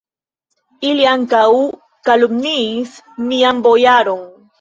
Ili ankaŭ kalumniis mian bojaron!